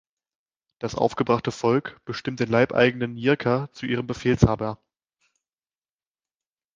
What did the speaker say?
Das aufgebrachte Volk bestimmt den Leibeigenen Jirka zu ihrem Befehlshaber.